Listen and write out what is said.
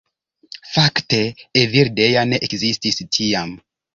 Fakte Evildea ne ekzistis tiam